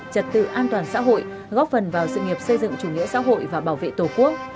trật tự an toàn xã hội góp phần vào sự nghiệp xây dựng chủ nghĩa xã hội và bảo vệ tổ quốc